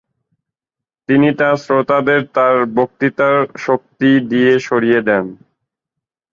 তিনি তার শ্রোতাদের তার বক্তৃতার শক্তি দিয়ে সরিয়ে দেন।